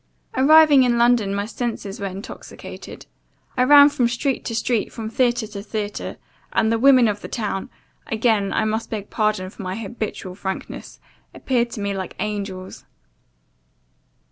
Arriving in London, my senses were intoxicated. I ran from street to street, from theater to theater, and the women of the town (again I must beg pardon for my habitual frankness) appeared to me like angels.